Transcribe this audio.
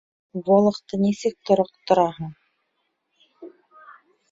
Волохты нисек тороҡтораһың?